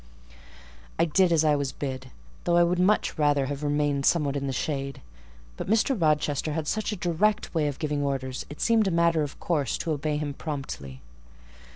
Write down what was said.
I did as I was bid, though I would much rather have remained somewhat in the shade; but Mr. Rochester had such a direct way of giving orders, it seemed a matter of course to obey him promptly.